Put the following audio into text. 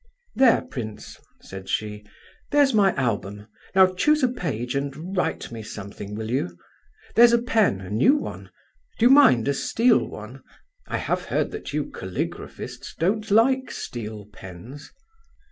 "There, prince," said she, "there's my album. Now choose a page and write me something, will you? There's a pen, a new one; do you mind a steel one? I have heard that you caligraphists don't like steel pens."